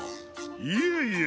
いえいえ。